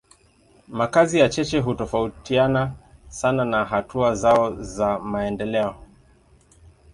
Makazi ya cheche hutofautiana sana na hatua zao za maendeleo.